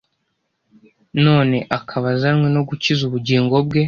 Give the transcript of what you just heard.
none akaba azanywe no gukiza ubugingo bwe;